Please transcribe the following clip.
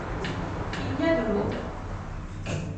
Il y a de l’eau ?